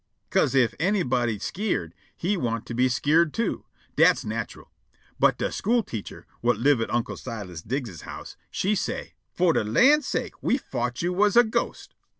'Ca'se ef anybody skeered, he want' to be skeered too. Dat's natural. But de school teacher, whut live at Unc' Silas Diggs's house, she say': "Fo' de lan's sake, we fought you was a ghost!"